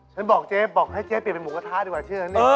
ฉันบอกเจ๊บอกให้เจ๊เปลี่ยนเป็นหมูกระทะดีกว่าเชื่อฉันนี่